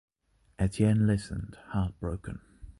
Etienne listened, heartbroken.